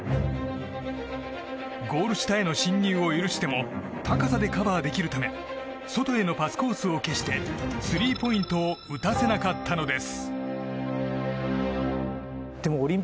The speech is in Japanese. ゴール下への侵入を許しても高さでカバーできるため外へのパスコースを消してスリーポイントを打たせなかったんです。